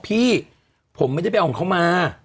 พี่ผมไม่ได้ไปเอาของเขามา